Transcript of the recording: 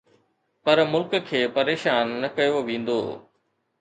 پر ملڪ کي پريشان نه ڪيو ويندو.